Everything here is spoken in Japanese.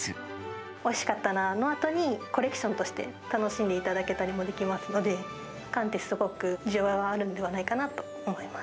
おいしかったなのあとに、コレクションとして楽しんでいただけたりもできますので、缶って、すごく需要があるのではないかなと思います。